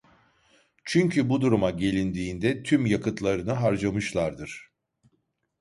Çünkü bu duruma gelindiğinde tüm yakıtlarını harcamışlardır.